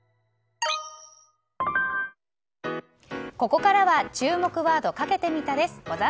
ここからは注目ワードかけてみたです。